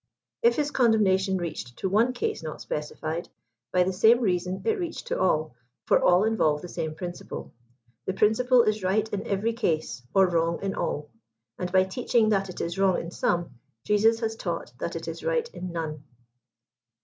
If his condemnation reached to one case not specified, by the same reason it reached to all, for all involve the sam^ principle. The principle is right in every case, or wrong in all ; and by teaching that it is wrong in some, Jesus has taught that it is right in none.